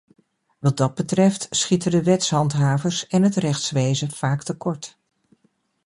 Wat dat betreft, schieten de wetshandhavers en het rechtswezen vaak tekort.